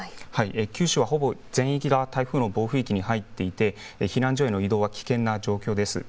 九州は、ほぼ全域が台風の暴風域に入っていて、避難所への移動は危険な状況です。